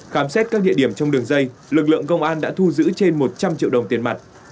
khám xét các địa điểm trong đường dây lực lượng công an đã thu giữ trên một trăm linh triệu đồng tiền mặt